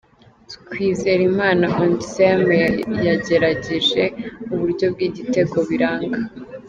Twizerimana Onesme yagerageje uburyo bw'igitego biranga.